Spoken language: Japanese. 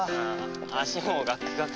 足もうガクガク。